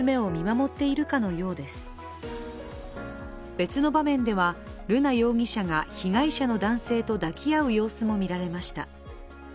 別の場面では、瑠奈容疑者が被害者の男性と抱き合う様子も見られました。